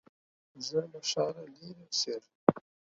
زه له ښاره لرې اوسېږم.